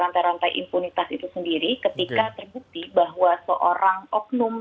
rantai rantai impunitas itu sendiri ketika terbukti bahwa seorang oknum